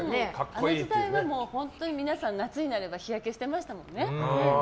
あの時代は皆さん、夏になれば日焼けしてましたもんね。